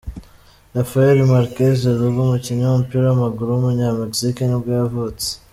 Rafael Márquez Lugo, umukinnyi w’umupira w’amaguru w’umunyamexique nibwo yavutse.